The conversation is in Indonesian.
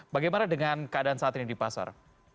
bagaimana dengan keadaan saat ini di pasar